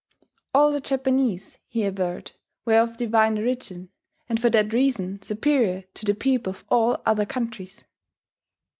All the Japanese, he averred, were of divine origin, and for that reason superior to the people of all other countries.